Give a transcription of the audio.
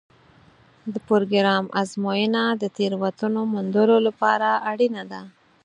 د پروګرام ازموینه د تېروتنو موندلو لپاره اړینه ده.